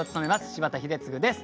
柴田英嗣です。